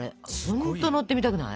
ほんと乗ってみたくない？